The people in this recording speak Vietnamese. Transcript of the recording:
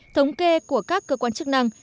thống kê của các cơ quan chức năng